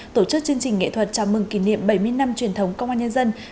tổ chức chương trình nghệ thuật chào mừng kỷ niệm bảy mươi năm truyền thống công an nhân dân